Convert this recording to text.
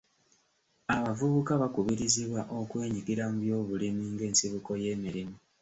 Abavubuka bakubirizibwa okwenyigira mu byobulimi ng'ensibuko y'emirimu.